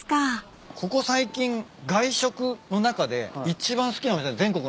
ここ最近外食の中で一番好きなお店全国の中でも。